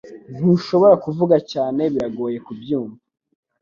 Ntushobora kuvuga cyane Biragoye kubyumva